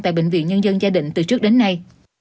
tại bệnh viện nhân dân gia định từ trước đến nay